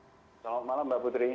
selamat malam mbak putri